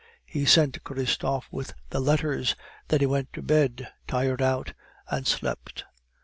He sent Christophe with the letters; then he went to bed, tired out, and slept.